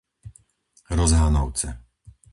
Rozhanovce